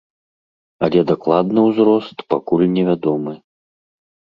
Але дакладны ўзрост пакуль невядомы.